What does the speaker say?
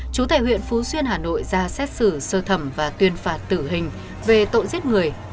chú tại huyện phú xuyên hà nội ra xét xử sơ thẩm và tuyên phạt tử hình về tội giết người